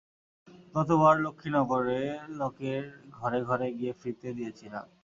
গতবার, লক্ষ্মীনগরে, লোকের ঘরে ঘরে গিয়ে ফ্রী-তে দিয়েছিলাম।